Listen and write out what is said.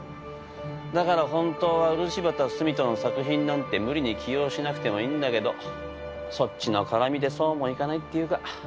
だから本当は漆畑澄人の作品なんて無理に起用しなくてもいいんだけどそっちの絡みでそうもいかないっていうか。